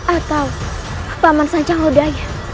atau paman sancahudaya